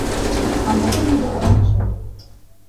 А можа і не дапамагчы.